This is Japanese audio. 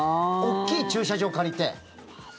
大きい駐車場を借りて。